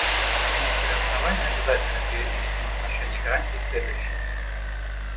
Некоторые основания обязательных в юридическом отношении гарантий следующие.